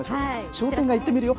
商店街行ってみるよ。